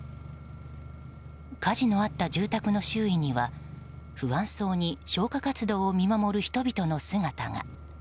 火事のあった住宅の周囲には不安そうに消火活動を見守る人々の姿が。